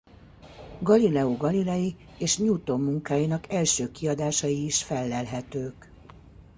Galileo Galilei és Newton munkáinak első kiadásai is fellelhetők.